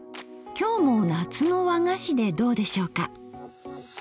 今日も夏の和菓子でどうでしょうか。